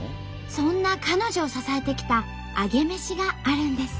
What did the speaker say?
そんな彼女を支えてきたアゲメシがあるんです。